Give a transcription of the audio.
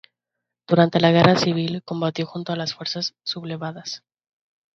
Durante la Guerra civil combatió junto a las fuerzas sublevadas.